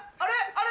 あれ。